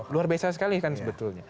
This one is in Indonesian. luar biasa sekali kan sebetulnya